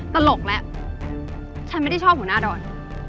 ตลกแล้วฉันไม่ได้ชอบหัวหน้าดอน